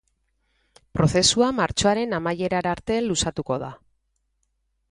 Prozesua martxoaren amaierara arte luzatuko da.